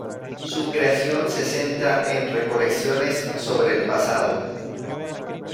Su creación se centra en recolecciones sobre el pasado.